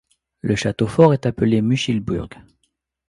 Le château-fort est appelé Muchileburg.